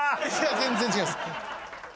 全然違います。